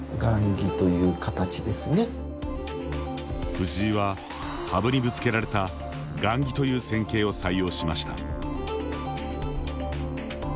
藤井は、羽生にぶつけられた雁木という戦型を採用しました。